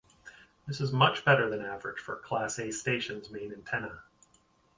This is much better than average for a Class A station's main antenna.